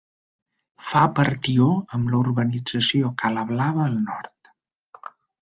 Fa partió amb la urbanització Cala Blava al nord.